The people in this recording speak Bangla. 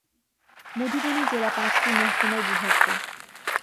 মধুবনী জেলা পাঁচটি মহকুমায় বিভক্ত।